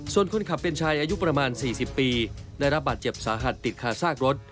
ส่วนคนขับเป็นชายอายุประมาณ๔๐ปีได้รับบาดเจ็บสาหัสติดคาซากรถ